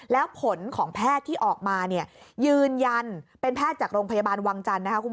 แล้วผลของแพทย์ที่ออกมาเนี่ยยืนยันเป็นแพทย์จากโรงพยาบาลวังจันทร์นะคะ